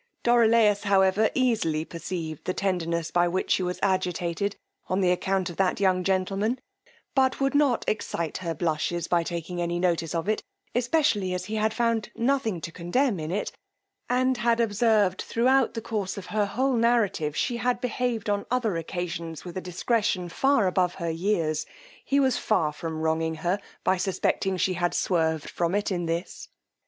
Dorilaus, however, easily perceived the tenderness with which she was agitated on the account of that young gentleman, but he would not excite her blushes by taking any notice of it, especially as he found nothing to condemn in it, and had observed, throughout the course of her whole narrative, she had behaved on other occasions with a discretion far above her years, he was far from wronging her, by suspecting she had swerved from it in this.